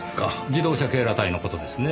自動車警ら隊の事ですね。